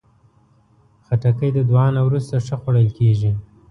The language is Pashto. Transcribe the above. خټکی د دعا نه وروسته ښه خوړل کېږي.